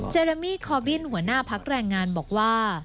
เรมี่คอบินหัวหน้าพักแรงงานบอกว่า